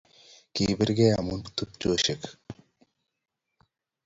Kipiregei amu tupcheshek